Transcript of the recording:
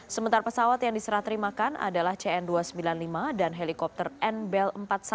sementara pesawat yang diserah terimakan adalah cn dua ratus sembilan puluh lima dan helikopter nbel empat ratus sepuluh